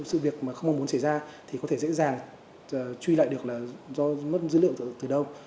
sự việc mà không mong muốn xảy ra thì có thể dễ dàng truy lại được là do mất dữ liệu từ đâu